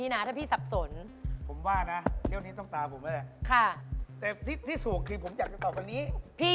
๓อย่างเนี้ยต้องมีอย่างนึงล่ะถูกที่สุดพี่